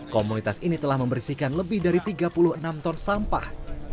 komunitas ini telah membersihkan lebih dari tiga puluh enam ton sampah